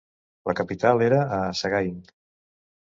La capital era a Sagaing.